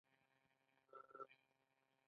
آیا پاټکونه ټول شوي؟